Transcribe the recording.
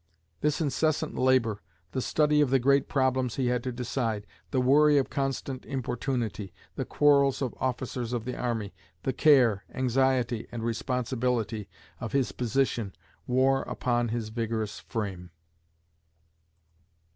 This incessant labor, the study of the great problems he had to decide, the worry of constant importunity, the quarrels of officers of the army, the care, anxiety, and responsibility of his position, wore upon his vigorous frame."